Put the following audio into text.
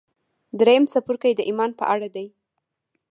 درېيم څپرکی د ايمان په اړه دی.